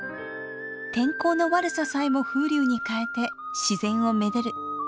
天候の悪ささえも風流にかえて自然をめでる粋な言葉です。